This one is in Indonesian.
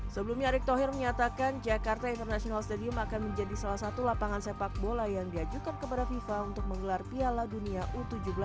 sebelumnya erick thohir menyatakan jakarta international stadium akan menjadi salah satu lapangan sepak bola yang diajukan kepada fifa untuk menggelar piala dunia u tujuh belas